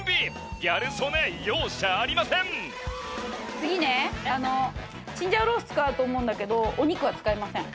次ねチンジャオロース作ろうと思うんだけどお肉は使いません。